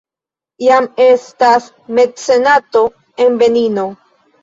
Jam estas mecenato en Benino.